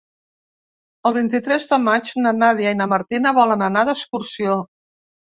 El vint-i-tres de maig na Nàdia i na Martina volen anar d'excursió.